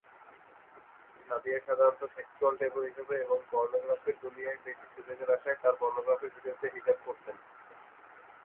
নাদিয়া সাধারণত sexual taboo হিসেবে এবং পর্নোগ্রাফির দুনিয়ায় বেশি সুযোগের আশায় তার পর্নোগ্রাফি ভিডিওতে হিজাব পরতেন।